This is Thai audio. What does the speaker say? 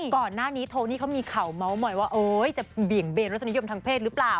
ก่อนหน้านี้โทนี่เขามีข่าวเมาส์มอยว่าจะเบี่ยงเบนรสนิยมทางเพศหรือเปล่า